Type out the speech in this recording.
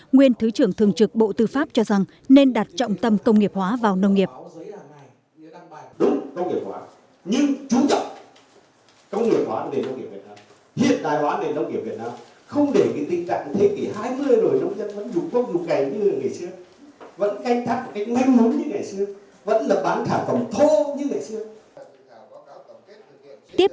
nguyên thứ trưởng thường trực bộ tư pháp cho rằng nên đặt trọng tâm công nghiệp hóa vào nông nghiệp